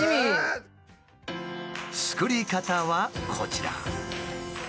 作り方はこちら。